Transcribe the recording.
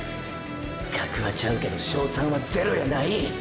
格はちゃうけど勝算はゼロやない！！